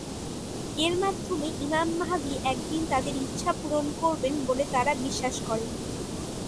এর মাধ্যমে ইমাম মাহদী একদিন তাদের ইচ্ছা পূর্ণ করবেন বলে তারা বিশ্বাস করেন।